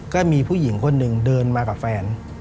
ก็มีผู้หญิงคนหนึ่งเดินมากับแฟน